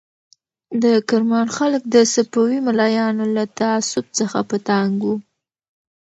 د کرمان خلک د صفوي ملایانو له تعصب څخه په تنګ وو.